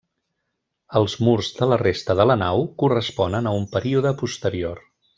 Els murs de la resta de la nau corresponen a un període posterior.